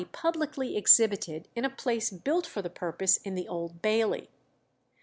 ] publicly exhibited in a place built for the purpose in the Old Bailey."